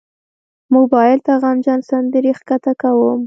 موبایل ته غمجن سندرې ښکته کوم.